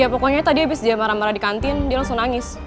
ya pokoknya tadi abis dia marah marah di kantin dia langsung nangis